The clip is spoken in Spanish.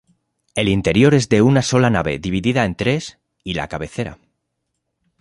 El interior es de una sola nave dividida en tres y la cabecera.